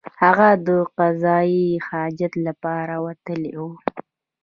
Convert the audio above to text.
هغه د قضای حاجت لپاره وتلی وو.